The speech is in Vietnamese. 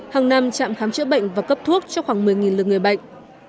hàng năm trạm khám chữa bệnh và cấp thuốc cho khoảng một mươi lượt người bệnh